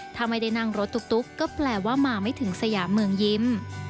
ถ้าไม่ได้นั่งรถตุ๊กก็แปลว่ามาไม่ถึงสยามเมืองยิ้ม